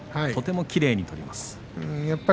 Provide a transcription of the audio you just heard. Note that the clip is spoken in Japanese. とてもきれいに取りますね。